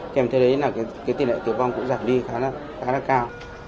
kèm thế đấy là tỉ lệ tiểu vong cũng giảm đi khá là cao